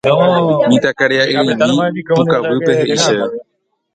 Mitãkaria'ymi pukavýpe he'i chéve.